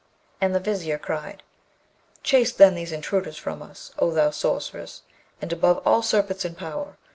And the Vizier cried, 'Chase then these intruders from us, O thou sorceress, and above all serpents in power!